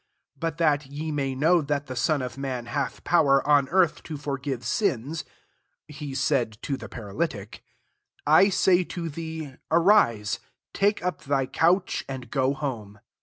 10 But that ye may know that the Son of man hath power, on earth, to forgive sins, (he said to the paralytic,) I say to thee, 11 ' Arise, take up thy couch, and go home.